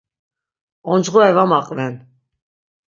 Oncğore va maqven.